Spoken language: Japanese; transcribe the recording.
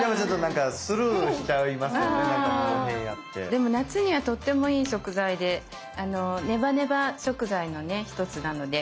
でも夏にはとってもいい食材でネバネバ食材のね一つなので。